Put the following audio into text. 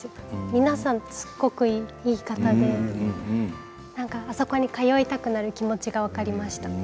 皆さん、すごくいい方でなんかあそこに通いたくなる気持ちが分かりました。